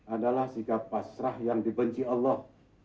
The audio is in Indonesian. adalah sikap pasrah yang dibenci allah